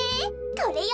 これよ。